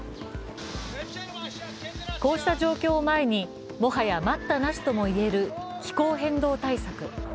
こうした状況を前に、もはや待ったなしとも言える気候変動対策。